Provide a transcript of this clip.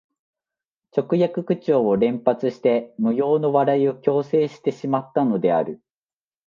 直訳口調を連発して無用の笑いを強制してしまったのである